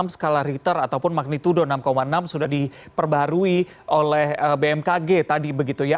enam skala riter ataupun magnitudo enam enam sudah diperbarui oleh bmkg tadi begitu ya